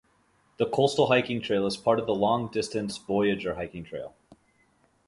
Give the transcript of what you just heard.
The Coastal Hiking Trail is part of the long-distance Voyageur Hiking Trail.